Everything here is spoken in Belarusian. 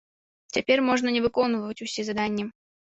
Цяпер можна не выконваць усе заданні.